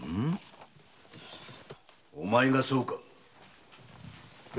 お前がそうか？